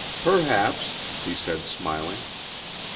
"Perhaps," he said, smiling.